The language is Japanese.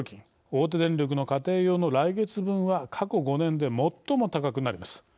大手電力の家庭用の来月分は過去５年で最も高くなります。